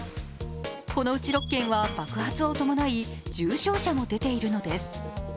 このうち６件は爆発を伴い重症者も出ているのです。